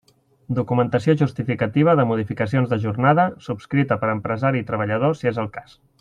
Documentació justificativa de modificacions de jornada, subscrita per empresari i treballador, si és el cas.